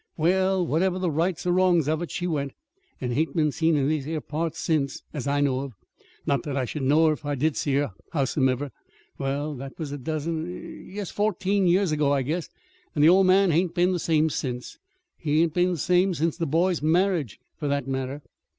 "Well, whatever was the rights or wrongs of it, she went, and hain't been seen in these 'ere parts since, as I know of. Not that I should know her if I did see her, howsomever! Well, that was a dozen yes, fourteen years ago, I guess, and the old man hain't been the same since. He hain't been the same since the boy's marriage, for that matter.